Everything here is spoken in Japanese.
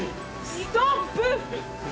ストップだ。